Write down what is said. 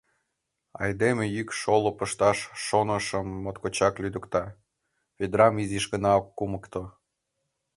Айдеме йӱк шолып ышташ шонышым моткочак лӱдыкта, ведрам изиш гына ок кумыкто.